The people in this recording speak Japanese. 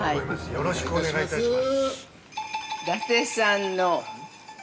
よろしくお願いします。